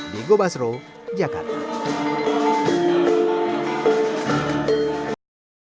digo basro jakarta